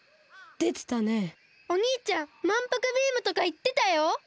おにいちゃん「まんぷくビーム！」とかいってたよ。